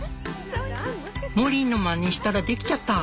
「モリーのまねしたらできちゃった。